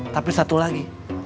tapi satu lagi